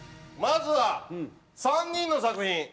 まずは３人の作品。